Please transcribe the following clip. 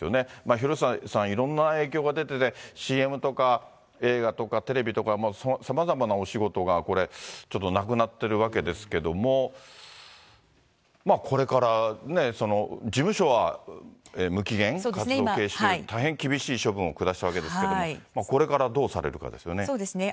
広末さん、いろんな影響が出てて、ＣＭとか映画とかテレビとか、さまざまなお仕事がこれ、ちょっとなくなってるわけですけども、これからね、事務所は無期限活動停止という、大変厳しい処分を下したわけですけれども、これからどうされるかそうですね。